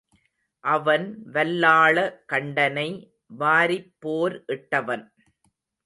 அவன் வல்லாள கண்டனை வாரிப் போர் இட்டவன்.